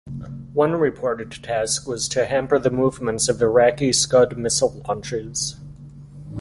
One reported task was to hamper the movements of Iraqi Scud missile launchers.